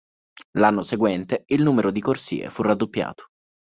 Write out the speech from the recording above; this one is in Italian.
L'anno seguente, il numero di corsie fu raddoppiato.